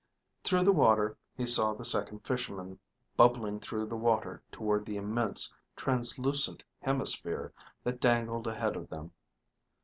Through the water he saw the Second Fisherman bubbling through the water toward the immense, transluscent hemisphere that dangled ahead of them.